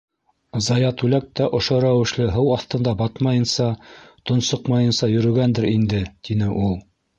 — Заятүләк тә ошо рәүешле һыу аҫтында батмайынса, тонсоҡмайынса йөрөгәндер инде, - тине ул.